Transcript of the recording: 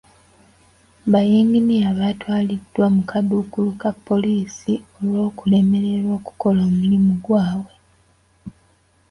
Bayinginiya batwaliddwa mu kaduukulu ka poliisi olw'okulemererwa okukola omulimu gwaabwe.